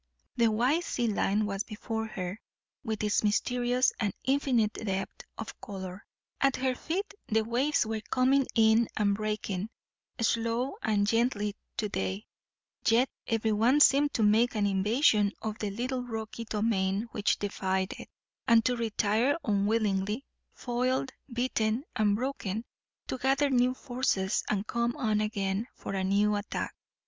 The wide sea line was before her, with its mysterious and infinite depth of colour; at her feet the waves were coming in and breaking, slow and gently to day, yet every one seeming to make an invasion of the little rocky domain which defied it, and to retire unwillingly, foiled, beaten, and broken, to gather new forces and come on again for a new attack.